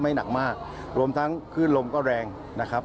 ไม่หนักมากรวมทั้งขึ้นลมก็แรงนะครับ